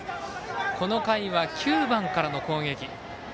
この回は９番からの攻撃。